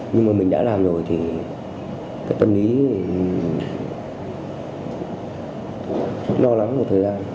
nhưng mà mình đã làm rồi thì tâm lý nó lắm một thời gian